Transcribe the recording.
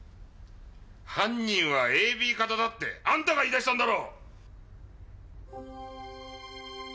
「犯人はＡＢ型だ」ってあんたが言い出したんだろ！？